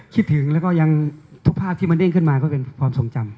คิดถึงแล้วก็ยังทุกภาพที่มันเด้งขึ้นมาก็เป็นความทรงจำ